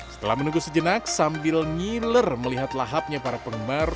setelah menunggu sejenak sambil nyiler melihat lahapnya para penggemar